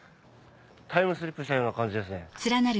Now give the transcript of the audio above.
タイムスリップしたような感じですね。